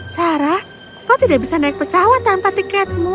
sarah kau tidak bisa naik pesawat tanpa tiketmu